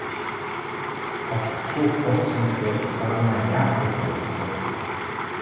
Хотод суух болсон гэхээр Саран маань яасан их баярлах бол.